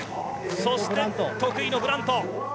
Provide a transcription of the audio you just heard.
そして得意のブラント。